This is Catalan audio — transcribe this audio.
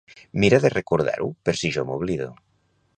Mira de recordar-ho per si jo m'oblido.